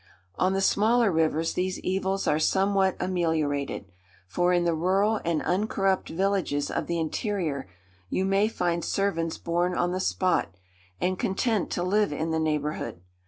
On the smaller rivers these evils are somewhat ameliorated; for in the rural and uncorrupt villages of the interior, you may find servants born on the spot, and content to live in the neighbourhood.